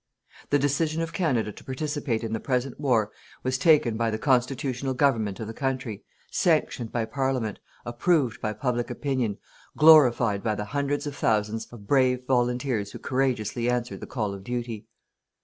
"The decision of Canada to participate in the present war was taken by the constitutional government of the country, sanctioned by Parliament, approved by public opinion, glorified by the hundreds of thousands of brave volunteers who courageously answered the call of duty."